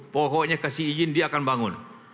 pokoknya kasih izin dia akan bangun